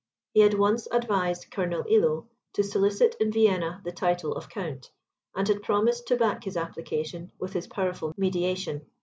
He had once advised Colonel Illo to solicit, in Vienna, the title of Count, and had promised to back his application with his powerful mediation.